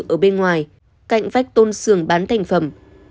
ở bên ngoài cạnh vách tôn sưng bán thành phẩm